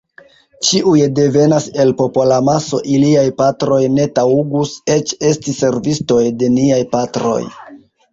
Ĉiuj devenas el popolamaso, iliaj patroj ne taŭgus eĉ esti servistoj de niaj patroj.